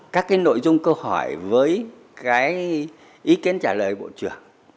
các nội dung câu hỏi với ý kiến trả lời bộ trưởng